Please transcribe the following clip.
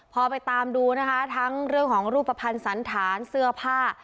พอไปตามดูนะคะทั้งเรื่องของรูปภัณฑ์สันฐานเสื้อผ้า